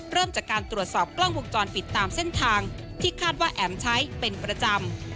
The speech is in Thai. เริ่มจากการตรวจสอบกล้องวงจรปิดตามเส้นทางที่คาดว่าแอ๋มใช้เป็นประจำ